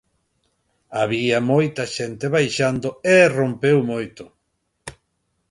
Había moita xente baixando e rompeu moito.